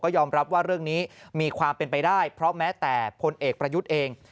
ยอมรับว่าเรื่องนี้มีความเป็นไปได้เพราะแม้แต่พลเอกประยุทธ์เอง